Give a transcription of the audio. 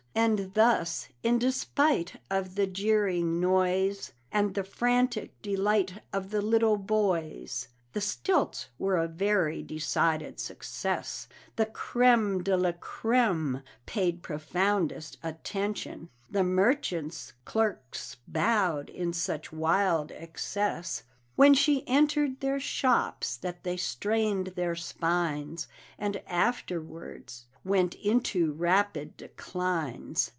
And thus, in despite of the jeering noise, And the frantic delight of the little boys, The stilts were a very decided success. The crême de la crême paid profoundest attention, The merchants' clerks bowed in such wild excess, When she entered their shops, that they strained their spines, And afterward went into rapid declines.